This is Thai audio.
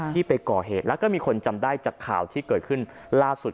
ไปก่อเหตุแล้วก็มีคนจำได้จากข่าวที่เกิดขึ้นล่าสุด